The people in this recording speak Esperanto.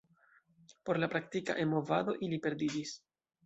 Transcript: Por la praktika E-movado ili perdiĝis.